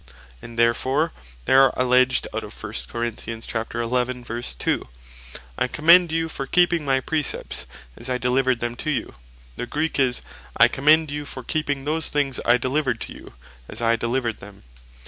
And therefore they are alledged out of 1 Cor. 11.2. "I commend you for keeping my Precepts as I delivered them to you." The Greek is, "I commend you for keeping those things I delivered to you, as I delivered them."